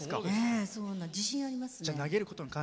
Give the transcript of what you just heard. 自信、ありますね。